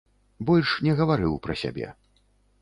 Больш не гаварыў пра сябе.